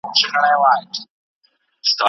چي نه می نه میخانه وي نه ساقي نه پیمانه